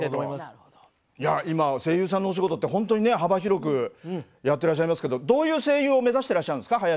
いや今声優さんのお仕事ってホントにね幅広くやってらっしゃいますけどどういう声優を目指してらっしゃるんですか？